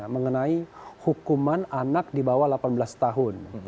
mengenai hukuman anak di bawah delapan belas tahun